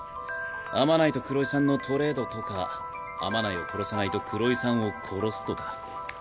天内と黒井さんのトレードとか天内を殺さないと黒井さんを殺すとか。